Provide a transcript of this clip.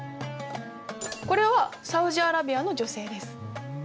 これはサウジアラビアの女性です。